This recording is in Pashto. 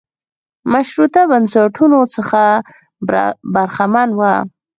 مشروطه بنسټونو څخه برخمن و.